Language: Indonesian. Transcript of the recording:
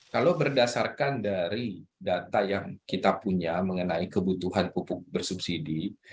kalau berdasarkan dari data yang kita punya mengenai kebutuhan pupuk bersubsidi